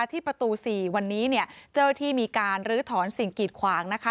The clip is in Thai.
ที่ประตู๔วันนี้เนี่ยเจ้าที่มีการลื้อถอนสิ่งกีดขวางนะคะ